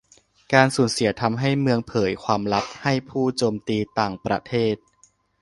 การสูญเสียทำให้เมืองเผยความลับให้ผู้โจมตีต่างประเทศ